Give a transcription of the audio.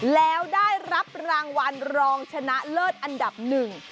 แล้วได้รับรางวัลรองชนะเลิศอันดับหนึ่ง